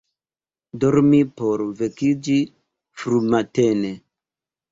Dormi por vekiĝi frumatene.